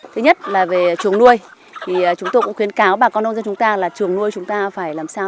thứ nhất là về chuồng nuôi chúng tôi cũng khuyến cáo bà con nông dân chúng ta là chuồng nuôi chúng ta phải làm sao